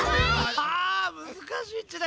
あむずかしいっちね。